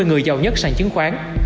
bốn mươi người giàu nhất sàn chứng khoán